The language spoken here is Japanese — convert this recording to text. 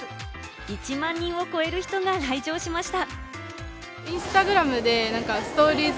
１万人を超える人が来場しました。